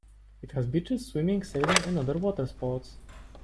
It has beaches, swimming, sailing and other water sports.